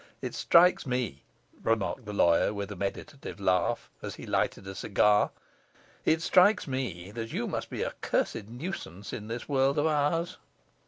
'It strikes me,' remarked the lawyer with a meditative laugh, as he lighted a cigar, 'it strikes me that you must be a cursed nuisance in this world of ours.